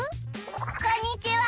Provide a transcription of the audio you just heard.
こんにちは！